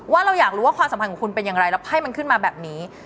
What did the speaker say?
เราอยากรู้ว่าความสัมพันธ์ของคุณเป็นอย่างไรแล้วไพ่มันขึ้นมาแบบนี้